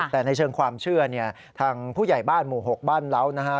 แต่ในเชิงความเชื่อเนี่ยทางผู้ใหญ่บ้านหมู่๖บ้านเล้านะฮะ